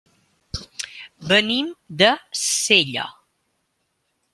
Venim de Sella.